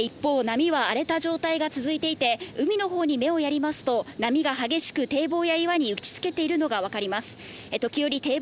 一方、波はあれた状態が続いていて、海のほうに目をやりますと波が激しくて堤防や岩に打ちつけているのが分かります。